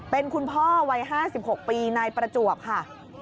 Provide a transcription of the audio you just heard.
เป็นคุณพ่อวัย๕๖ปีนายประจวบค่ะ